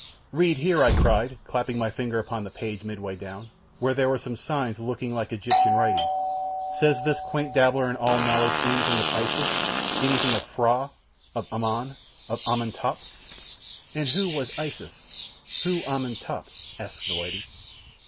"Read here," I cried, clapping my finger upon the page midway down, where there were some signs looking like Egyptian writing. "Says this quaint dabbler in all knowledge anything of Isis, anything of Phra, of Ammon, of Ammon Top?" "And who was Isis? who Ammon Top?" asked the lady.